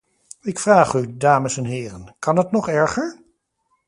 Ik vraag u, dames en heren, kan het nog erger?